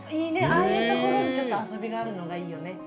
ああいうところに、ちょっと遊びがあるのがいいよね。